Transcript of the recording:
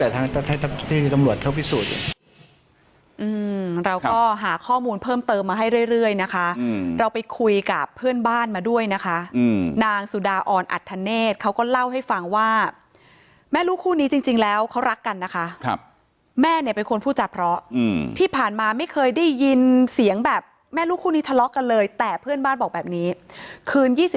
แต่ทางนางสาวยุรีก็ไม่ได้บอกกับทางลุงมากนัก